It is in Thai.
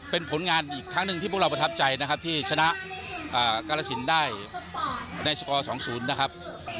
เป็นผลงานอีกครั้งหนึ่งที่พวกเราประทับใจนะครับที่ชนะกาลสินได้ในสกอร์๒๐นะครับ